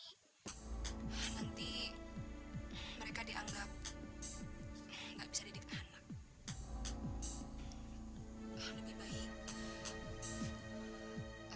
nanti mereka dianggap nggak bisa didik anak